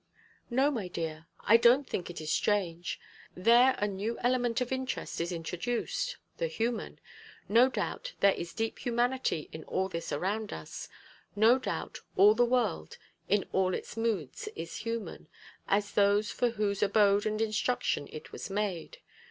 "No, my dear; I don't think it is strange. There a new element of interest is introduced the human. No doubt there is deep humanity in all this around us. No doubt all the world, in all its moods, is human, as those for whose abode and instruction it was made.